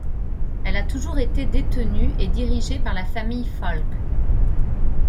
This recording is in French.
Elle a toujours été détenue et dirigée par la famille Falck.